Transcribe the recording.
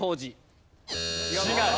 違う。